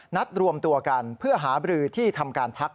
นัดรวมตัวกันเพื่อหาบรือที่ทำการพัก